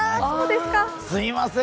すみません